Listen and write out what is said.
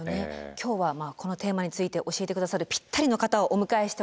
今日はこのテーマについて教えて下さるぴったりの方をお迎えしております。